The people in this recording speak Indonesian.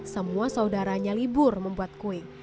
semua saudaranya libur membuat kue